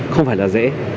không phải là dễ